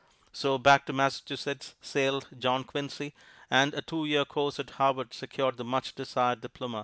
So back to Massachusetts sailed John Quincy; and a two year course at Harvard secured the much desired diploma.